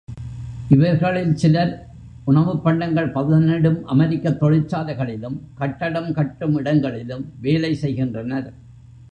இவர்களில் சிலர் உணவுப் பண்டங்கள் பதனிடும் அமெரிக்கத் தொழிற்சாலைகளிலும், கட்டடம் கட்டும் இடங்களிலும் வேலை செய்கின்றனர்.